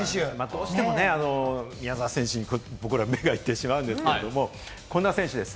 どうしても宮澤選手に目がいってしまうんですけれど、こんな選手です。